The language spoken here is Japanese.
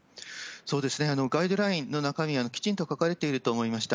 ガイドラインの中身はきちんと書かれていると思いました。